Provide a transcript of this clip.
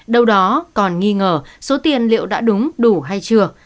đâu đó còn nghi ngờ số tiền liệu đã đúng đủ hay chưa